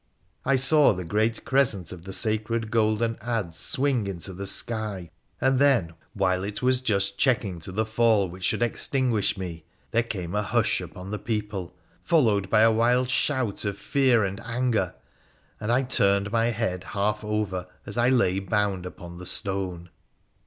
I saw the great crescent of the sacred golden adze swing into the sky, and then, while it was just checking to the fall which should extinguish me, there came a hush upon the people, followed by a wild shout of fear and anger, and I turned my head half over as I lay bound upon the stone.